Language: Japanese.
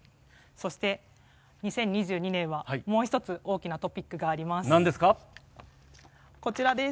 そして、２０２２年はもう一つ大きなトピックがあります。